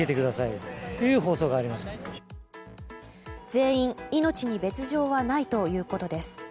全員、命に別条はないということです。